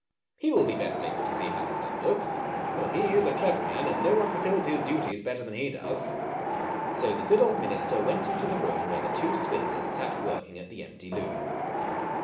" He will be best able to see how the stuff looks, for he is a clever man and no one fulfils his duties better than he does! " So the good old minister went into the room where the two swindlers sat working at the empty loom.